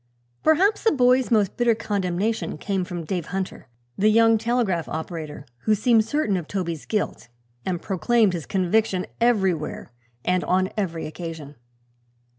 Perhaps the boy's most bitter condemnation came from Dave Hunter, the young telegraph operator, who seemed certain of Toby's guilt and proclaimed his conviction everywhere and on every occasion.